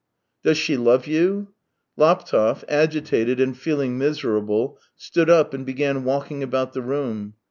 " Does she love you ?"" No." Laptev, agitated, and feehng miserable, stood up and began walking about the room.